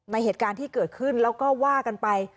เหตุการณ์ที่เกิดขึ้นแล้วก็ว่ากันไป